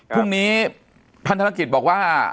ครั้งนี้ท่านธนาคิดบอกว่า